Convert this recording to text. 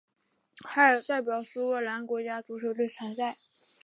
他也代表苏格兰国家足球队参赛。